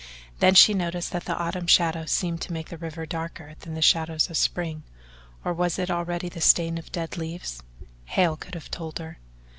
Then she noticed that the autumn shadows seemed to make the river darker than the shadows of spring or was it already the stain of dead leaves? Hale could have told her.